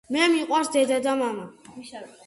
მე მიყვარს დედა და მამა